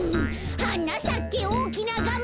「はなさけおおきなガマ」